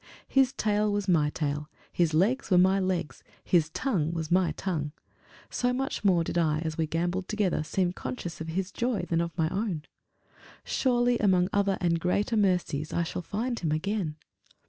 His tail was my tail; his legs were my legs; his tongue was my tongue! so much more did I, as we gambolled together, seem conscious of his joy than of my own! Surely, among other and greater mercies, I shall find him again!